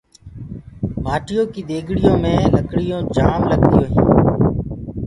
مآٽيو ڪيٚ ديگڙيو مي لڪڙيونٚ جآم لگديونٚ هينٚ۔